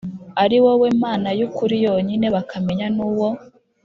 Ari wowe mana y ukuri yonyine bakamenya n uwo